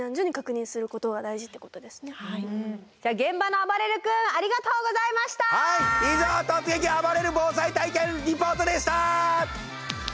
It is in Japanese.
あばれる防災体験リポートでした！